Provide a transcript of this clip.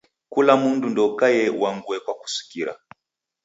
Kula mundu ndekaie uangue kwa kusikira.